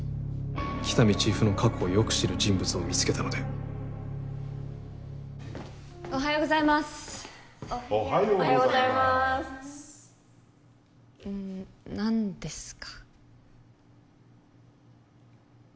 喜多見チーフの過去をよく知る人物を見つけたのでおはようございますおはようございます何ですか？